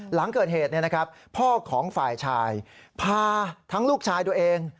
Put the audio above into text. หลังเกิดเหตุพ่อของฝ่ายชายพาทั้งลูกชายตัวเอง